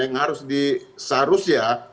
yang harus disarus ya